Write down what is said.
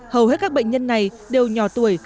hầu hết các bệnh nhân này đều nhỏ tuổi